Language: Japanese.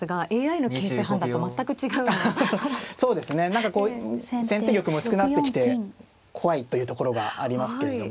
何かこう先手玉も薄くなってきて怖いというところがありますけれども。